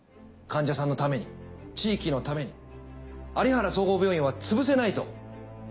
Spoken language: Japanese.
患者さんのために地域のために有原総合病院はつぶせないと。